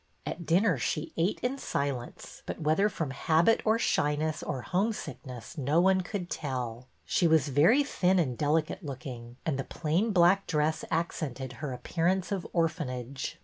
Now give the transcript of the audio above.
At dinner she ate in silence, but whether from habit or shyness or homesickness no one could tell. She was very thin and delicate looking, and the plain black dress accented her appearance of orphanage.